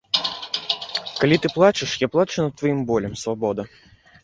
Калі ты плачаш, я плачу над тваім болем, свабода.